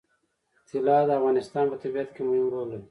طلا د افغانستان په طبیعت کې مهم رول لري.